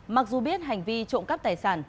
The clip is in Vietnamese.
mặc dù biết hành vi trộm cắp tài sản